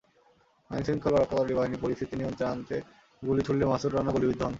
আইনশৃঙ্খলা রক্ষাকারী বাহিনী পরিস্থিতি নিয়ন্ত্রণে আনতে গুলি ছুড়লে মাসুদ রানা গুলিবিদ্ধ হন।